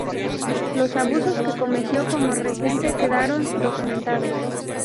Los abusos que cometió como regente quedaron documentados.